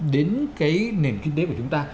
đến cái nền kinh tế của chúng ta